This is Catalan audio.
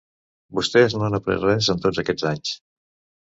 Vostès no han après res en tots aquests anys.